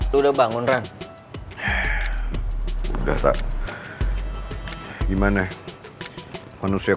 pusing banget lagi kepala gue